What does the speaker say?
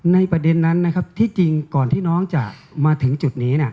ประเด็นนั้นนะครับที่จริงก่อนที่น้องจะมาถึงจุดนี้